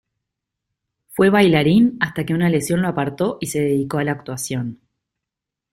Fue bailarín hasta que una lesión lo apartó y se dedicó a la actuación.